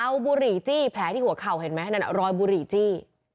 เอาบุหรี่จี้แผลที่หัวเข่าเห็นไหมนั่นรอยบุหรี่จี้